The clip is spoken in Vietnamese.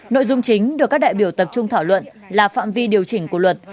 nội dung chính được các đại biểu tập trung thảo luận là phạm vi điều chỉnh của luật